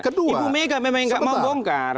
ibu mega memang nggak mau bongkar